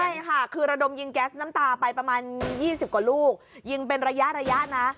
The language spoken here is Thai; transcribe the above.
ใช่ค่ะคือระดมยิงแก๊สน้ำตาไปประมาณ๒๐กว่าลูกยิงเป็นระยะระยะนะ